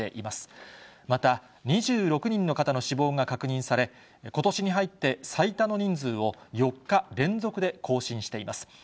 また２６人の方の死亡が確認され、ことしに入って最多の人数を４日連続で更新しています。